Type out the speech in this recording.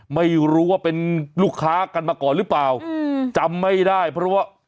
ไม่รู้ว่าเป็นลูกค้ากันมาก่อนหรือเปล่าอืมจำไม่ได้เพราะว่า